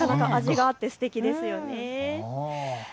なかなか味があってすてきですよね。